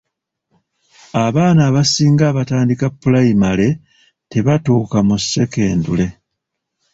Abaana abasinga abatandika pulayimale tebatuuka mu sekendule.